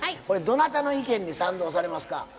これどなたの意見に賛同されますか？